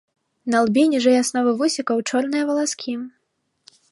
На лбе ніжэй асновы вусікаў чорныя валаскі.